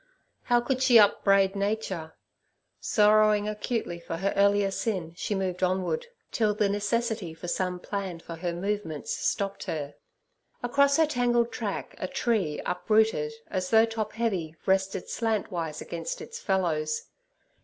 How could she upbraid Nature? Sorrowing acutely for her earlier sin, she moved onward, till the necessity for some plan for her movements stopped her. Across her tangled track a tree, uprooted, as though top heavy, rested slantwise against its fellows.